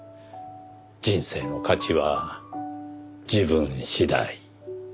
人生の価値は自分次第。